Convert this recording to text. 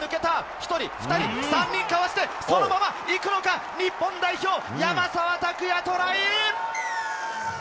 １人、２人、３人かわして、そのままいくのか、日本代表、山沢拓也、トライ！